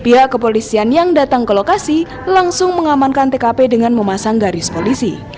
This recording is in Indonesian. pihak kepolisian yang datang ke lokasi langsung mengamankan tkp dengan memasang garis polisi